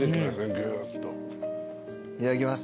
いただきます。